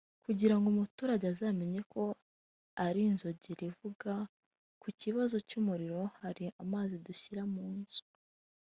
kugira ngo umuturage azamenye ko ari inzogera ivuga ku kibazo cy’umuriro hari amazi dushyira mu nzu